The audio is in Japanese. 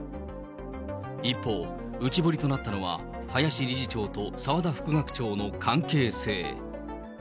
一方、浮き彫りとなったのは、林理事長と澤田副学長の関係性。